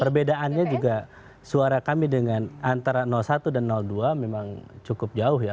perbedaannya juga suara kami dengan antara satu dan dua memang cukup jauh ya